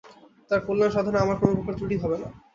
তার কল্যাণ সাধনে আমার কোন প্রকার ত্রুটি হবে না।